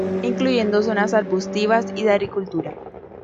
Incluyendo zonas arbustivas y de agricultura.